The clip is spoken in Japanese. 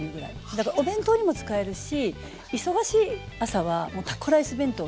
だからお弁当にも使えるし忙しい朝はタコライス弁当は絶対ありなんですよ。